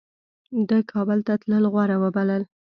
ده کابل ته تلل غوره وبلل.